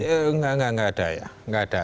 tidak nggak ada ya